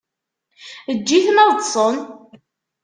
Eǧǧ-iten ad ṭṭsen.